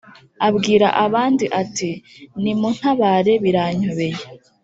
abwira abandi ati: "nimuntabare biranyobeye!”